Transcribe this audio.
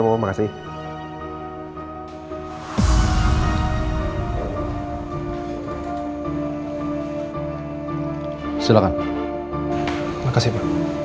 dia juga bekerja sama ibu